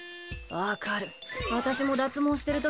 分かる。